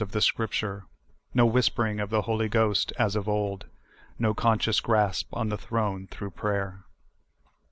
33 of the Scripture ; no whispering of the H0I3' Ghost as of old ; no conscious grasp on the throne through prayer.